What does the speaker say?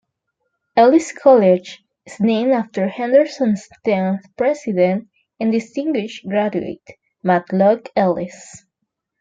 Ellis College is named after Henderson's tenth president and distinguished graduate, Matt Locke Ellis.